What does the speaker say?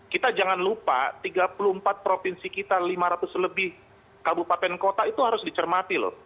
kita jangan lupa tiga puluh empat provinsi kita lima ratus lebih kabupaten kota itu harus dicermati loh